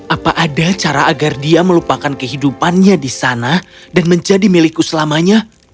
apa ada cara agar dia melupakan kehidupannya di sana dan menjadi milikku selamanya